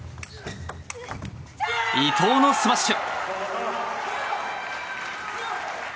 伊藤のスマッシュ。